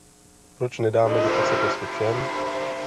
Proč nedáme dotace prostě všem?